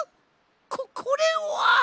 ここれは！